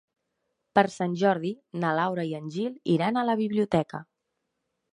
Per Sant Jordi na Laura i en Gil iran a la biblioteca.